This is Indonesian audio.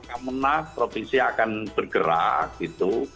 kemenas provinsi akan bergerak gitu